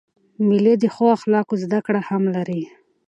مېلې د ښو اخلاقو زدهکړه هم لري.